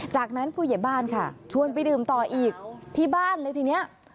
จากนั้นผู้ใหญ่บ้านค่ะชวนไปดื่มต่ออีกที่บ้านเลยทีนี้